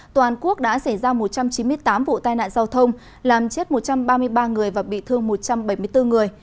toàn quốc đã xảy ra một trăm chín mươi tám vụ tai nạn giao thông làm chết một trăm ba mươi ba người và bị thương một trăm bảy mươi bốn người